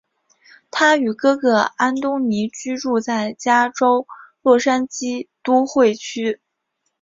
他与哥哥安东尼居住在加州洛杉矶都会区。